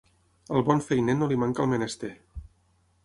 Al bon feiner no li manca el menester.